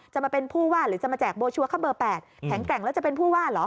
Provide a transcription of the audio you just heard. จะมาเป็นผู้ว่าหรือจะมาแจกบัวชัวร์เข้าเบอร์๘แข็งแกร่งแล้วจะเป็นผู้ว่าเหรอ